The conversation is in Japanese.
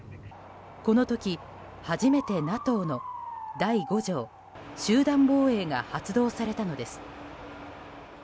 この時初めてＮＡＴＯの第５条集団防衛が発動されたのです。